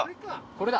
これだ。